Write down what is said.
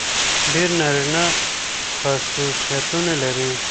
ډېر نارينه خصوصيتونه لري.